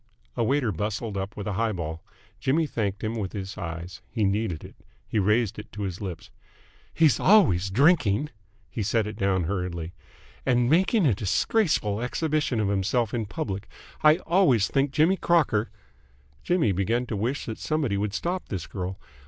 A waiter bustled up with a high ball. Jimmy thanked him with his eyes. He needed it. He raised it to his lips. "He's always drinking " He set it down hurriedly. " and making a disgraceful exhibition of himself in public! I always think Jimmy Crocker " Jimmy began to wish that somebody would stop this girl.